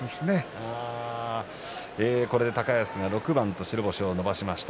高安が６番と白星を伸ばしました。